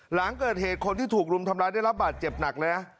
หลังเกิดเหตุคนที่ถูกรุมทำร้ายได้รับบาดเจ็บหนักเลยนะ